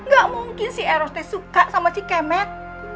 gak mungkin si arotes suka sama si kemet